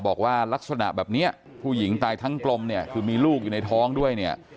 บอกว่าลักษณะแบบนี้ผู้หญิงตายทั้งกลมเนี่ยคือมีลูกอยู่ในท้องด้วยเนี่ย